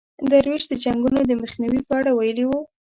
درویش د جنګونو د مخنیوي په اړه ویلي وو.